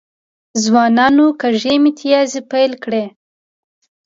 ځوانانو کږې میتیازې پیل کړي.